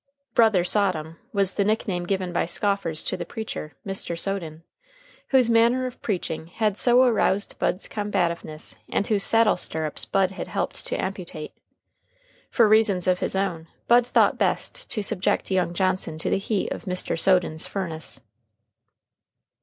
"Brother Sodom" was the nickname given by scoffers to the preacher Mr. Soden whose manner of preaching had so aroused Bud's combativeness, and whose saddle stirrups Bud had helped to amputate. For reasons of his own, Bud thought best to subject young Johnson to the heat of Mr. Soden's furnace.